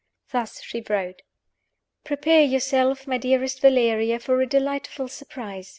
Thus she wrote: "Prepare yourself, my dearest Valeria, for a delightful surprise.